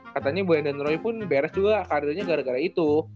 katanya brandon roy pun beres juga karirnya gara gara itu